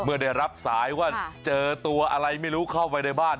เมื่อได้รับสายว่าเจอตัวอะไรไม่รู้เข้าไปในบ้าน